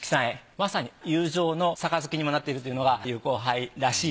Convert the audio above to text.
まさに友情の杯にもなっているというのが友好杯らしい。